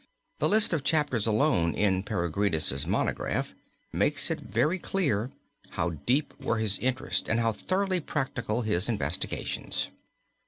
The list of chapters alone in Peregrinus' monograph (Epistola) makes it very clear how deep were his interests and how thoroughly practical his investigations.